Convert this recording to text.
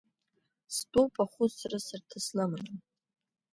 Стәоуп ахәыцра сарҭаслымны…